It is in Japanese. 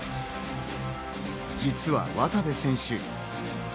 実は渡部選手。